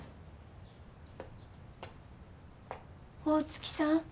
大月さん？